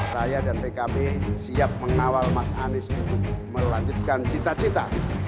saya dan pkb siap mengawal mas anies untuk melanjutkan cita cita